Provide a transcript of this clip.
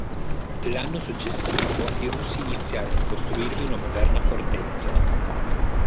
L'anno successivo i russi iniziarono a costruirvi una moderna fortezza.